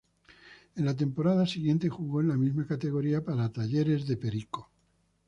En la temporada siguiente jugó en la misma categoría para Talleres de Perico.